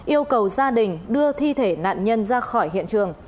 yêu cầu gia đình đưa thi thể nạn nhân ra khỏi hiện trường